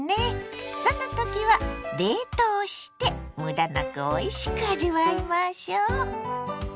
そんなときは冷凍してむだなくおいしく味わいましょ。